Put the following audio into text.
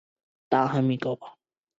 达米阿特人口变化图示